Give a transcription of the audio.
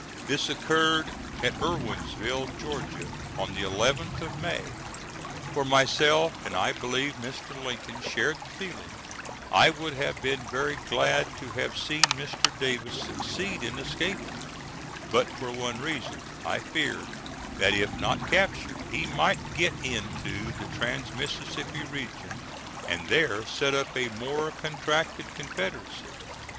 This occurred at Irwinsville, Georgia, on the 11th of May. For myself, and I believe Mr. Lincoln shared the feeling, I would have been very glad to have seen Mr. Davis succeed in escaping, but for one reason: I feared that if not captured, he might get into the trans Mississippi region and there set up a more contracted confederacy.